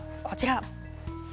こちら。